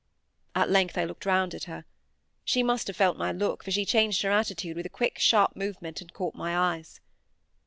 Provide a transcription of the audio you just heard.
At length I looked round at her. She must have felt my look, for she changed her attitude with a quick sharp movement, and caught my eyes.